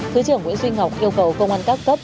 thứ trưởng nguyễn duy ngọc yêu cầu công an các cấp